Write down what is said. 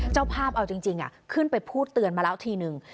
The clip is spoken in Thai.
เจ้าภาพเอาจริงขึ้นไปพูดเตือนมาแล้วทีนึง